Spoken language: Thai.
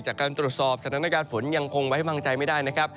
จากการตรวจสอบสถานการณ์ฝนยังคงไว้วางใจไม่ได้นะครับ